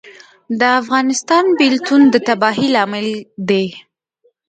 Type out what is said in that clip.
د افغانستان بیلتون د تباهۍ لامل دی